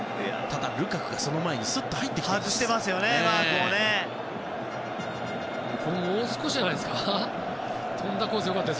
ただ、ルカクがその前にスッと入ってきました。